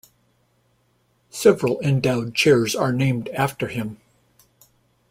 Several endowed chairs are named after him.